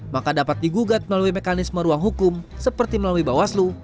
maka dapat digugat melalui mekanisme ruang hukum seperti melalui bawaslu